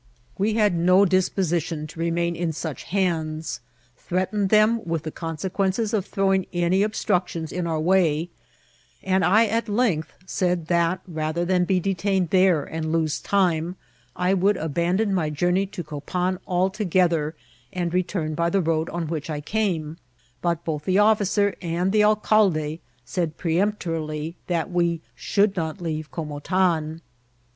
We iiad no dispositioii to remain in such hands ; threatened them with the consequences of throw ing any obstructions in our way ; and I at length said thaty rather than be detained there and lose time, I would abandon my journey to Copan altogether, and return by the road on which I came ; but both the officer and the alcalde said peremptorily that we should not leave Comotan.